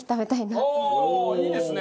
おおーいいですね！